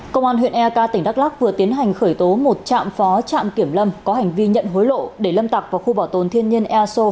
công an huyện e a k tỉnh đắk lắc vừa tiến hành khởi tố một trạm phó trạm kiểm lâm có hành vi nhận hối lộ để lâm tạc vào khu bảo tồn thiên nhân e a s o